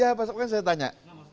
ya kan perintah dia pak saya tanya